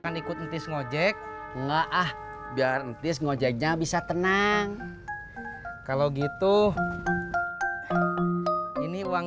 kan ikut ntis ngojek enggak ah biar ntis ngojek nya bisa tenang kalau gitu ini uang